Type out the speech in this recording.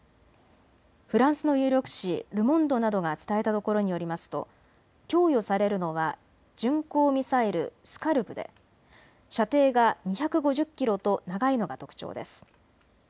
フランスの有力紙、ル・モンドなどが伝えたところによりますと供与されるのは巡航ミサイル、ＳＣＡＬＰで射程が２５０キロと長いのが特徴です。